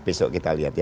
besok kita lihat ya